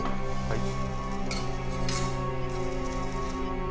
はい。